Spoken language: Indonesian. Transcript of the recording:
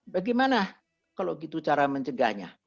bagaimana kalau gitu cara mencegahnya